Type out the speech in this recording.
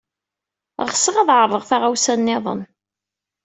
Ɣseɣ ad ɛerḍeɣ taɣawsa niḍen.